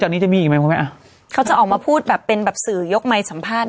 เดี๋ยวนี้จะมีอีกไหมคุณแม่อ่ะเขาจะออกมาพูดแบบเป็นแบบสื่อยกไมค์สัมภาษณ์